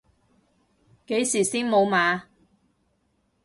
幾時先無碼？